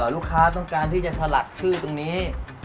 ลูกค้าต้องการที่จะสลักชื่อตรงนี้